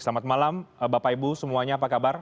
selamat malam bapak ibu semuanya apa kabar